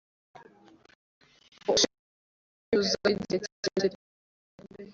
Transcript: Ntabwo ushimisha kwicuza igihe kirekire